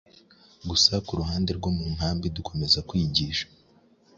gusa ku ruhande rwo mu nkambi dukomeza kwigisha